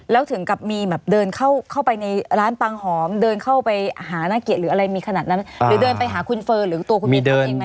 แล้วถึงกับมีแบบเดินเข้าไปในร้านปังหอมเดินเข้าไปหานักเกียรติหรืออะไรมีขนาดนั้นหรือเดินไปหาคุณเฟิร์นหรือตัวคุณบินเขาจริงไหม